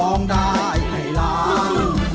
ร้องได้ให้ล้าน